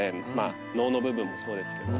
農の部分もそうですけど。